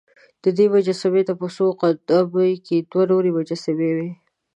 دې مجسمې ته په څو قد مې کې دوه نورې مجسمې وې.